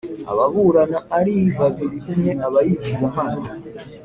Ababurana ari babiri umwe aba yigiza nkana.